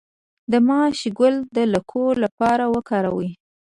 د ماش ګل د لکو لپاره وکاروئ